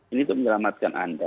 ini untuk menyelamatkan anda